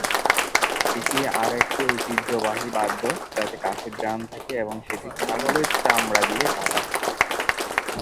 এটি আর একটি ঐতিহ্যবাহী বাদ্য, যাতে কাঠের ড্রাম থাকে এবং সেটি ছাগলের চামড়া দিয়ে ঢাকা থাকে।